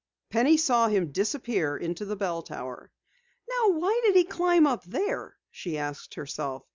Penny saw him disappear into the bell tower. "Now why did he climb up there?" she asked herself.